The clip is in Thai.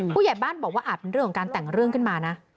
ผู้ใหญ่บ้านบอกว่าอาจเป็นเรื่องของการแต่งเรื่องขึ้นมานะ